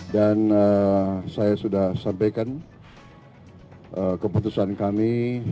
dan saya sudah sampaikan keputusan kami